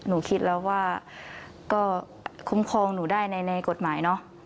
หนูคิดแล้วว่าก็คุ้มครองหนูได้ในกฎหมายเนอะ